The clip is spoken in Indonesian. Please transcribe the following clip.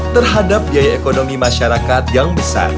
terhadap biaya ekonomi masyarakat yang besar